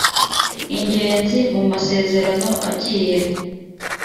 ingenzi mu masezerano agiye